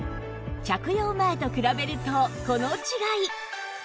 着用前と比べるとこの違い